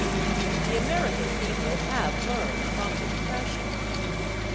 The American people have learned from the depression.